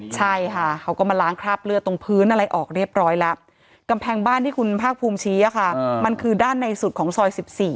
ใช่ค่ะเขาก็มาล้างคราบเลือดตรงพื้นอะไรออกเรียบร้อยแล้วกำแพงบ้านที่คุณภาคภูมิชี้ค่ะมันคือด้านในสุดของซอย๑๔